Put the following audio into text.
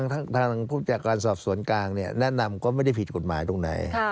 ทางผู้จัดการสอบสวนกลางแนะนำก็ไม่ได้ผิดกฎหมายตรงไหน